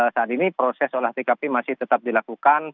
saat ini proses olah tkp masih tetap dilakukan